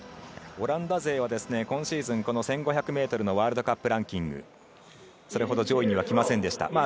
オランダ勢は今シーズン１５００ｍのワールドカップランキングではそれほど上位にはきませんでした。